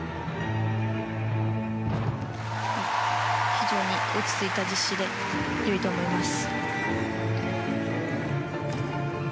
非常に落ち着いた実施で良いと思います。